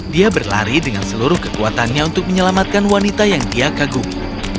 dia berlari dengan seluruh kekuatannya untuk menyelamatkan wanita yang dia kagumi